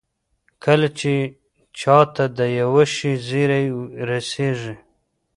کله چې چا ته د يوه شي زېری رسېږي.